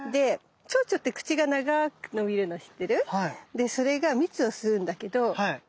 でそれが蜜を吸うんだけど。